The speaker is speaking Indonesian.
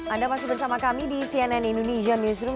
anda masih bersama kami di cnn indonesia newsroom